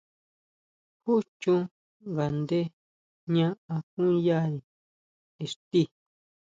¿Júchon ngaʼnde jña akuyare ixti?